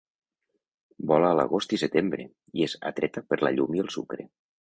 Vola a l'agost i setembre, i és atreta per la llum i el sucre.